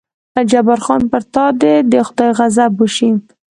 جبار خان: پر تا دې د خدای غضب وشي.